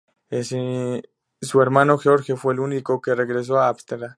Su hermano George fue el único que regresó a Ámsterdam.